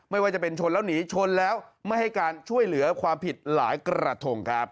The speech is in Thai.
ไม่ว่าจะเป็นชนแล้วหนีชนแล้วไม่ให้การช่วยเหลือความผิดหลายกระทงครับ